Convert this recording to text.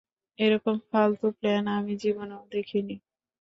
এরকম ফালতু প্ল্যান আমি জীবনেও দেখিনি!